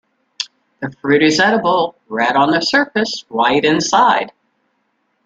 The fruit is edible, red on the surface, white inside.